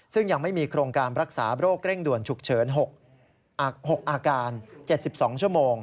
ซึ่งยังไม่มีโครงการรักษาโรคเร่งด่วนฉุกเฉิน๖อาการ๗๒ชั่วโมง